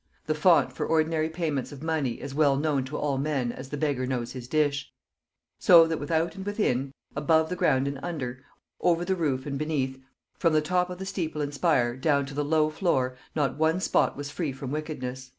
The font for ordinary payments of money as well known to all men as the beggar knows his dish.... So that without and within, above the ground and under, over the roof and beneath, from the top of the steeple and spire down to the low floor, not one spot was free from wickedness."